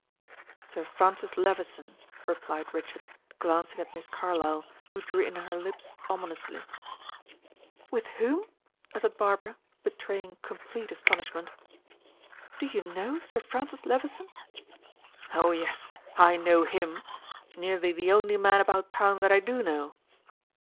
"Sir Francis Levison," replied Richard, glancing at Miss Carlyle, who drew in her lips ominously. "With whom?" uttered Barbara, betraying complete astonishment. "Do you know Sir Francis Levison?" "Oh, yes, I know him. Nearly the only man about town that I do know."